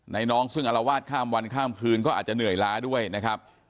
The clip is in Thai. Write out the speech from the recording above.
น้องซึ่งอารวาสข้ามวันข้ามคืนก็อาจจะเหนื่อยล้าด้วยนะครับ